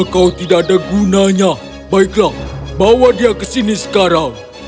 kalau tidak ada gunanya baiklah bawa dia ke sini sekarang